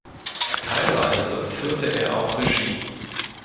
Teilweise führte er auch Regie.